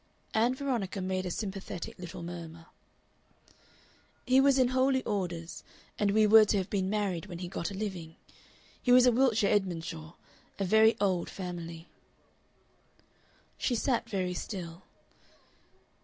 Ann Veronica made a sympathetic little murmur. "He was in holy orders, and we were to have been married when he got a living. He was a Wiltshire Edmondshaw, a very old family." She sat very still.